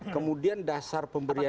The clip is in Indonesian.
kemudian dasar pemberian